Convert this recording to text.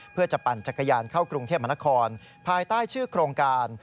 เพื่อจะปั่นจักรยานเข้ากรุงเทพมนครภายใต้ชื่อโครงการ